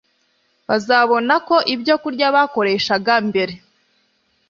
bazabona ko ibyokurya bakoreshaga mbere